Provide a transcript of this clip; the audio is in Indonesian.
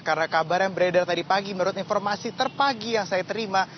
karena kabar yang beredar tadi pagi menurut informasi terpagi yang saya terima